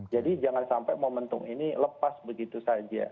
jadi jangan sampai momentum ini lepas begitu saja